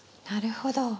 なるほど。